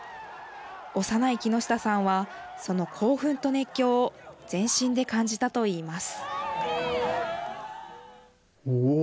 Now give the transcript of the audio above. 幼い木下さんはその興奮と熱狂を全身で感じたと言います。